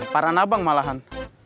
parah abang malahan